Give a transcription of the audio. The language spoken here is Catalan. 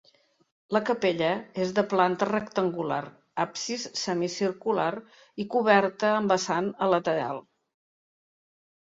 La capella és de planta rectangular, absis semicircular i coberta amb vessant a lateral.